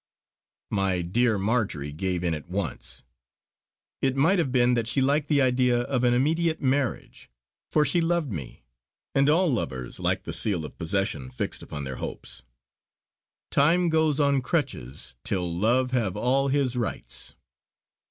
My dear Marjory gave in at once. It might have been that she liked the idea of an immediate marriage; for she loved me, and all lovers like the seal of possession fixed upon their hopes: "Time goes on crutches, till love have all his rites."